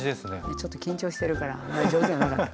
ちょっと緊張してるからあんまり上手じゃなかった。